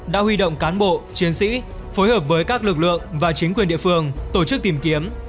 đã huy động cán bộ chiến sĩ phối hợp với các lực lượng và chính quyền địa phương tổ chức tìm kiếm